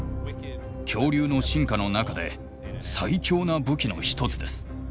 恐竜の進化の中で最強な武器の一つです。